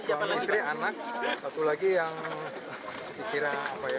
siapanya istri anak satu lagi yang dikira keluarganya atau kerabatnya